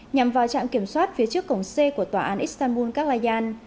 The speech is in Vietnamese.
nhằm vào trạm kiểm soát phía trước cổng c của tòa án istanbul kaklayan